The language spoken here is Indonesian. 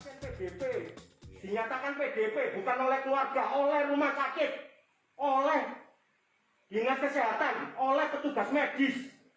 ppdp dinyatakan pdp bukan oleh keluarga oleh rumah sakit oleh dinas kesehatan oleh petugas medis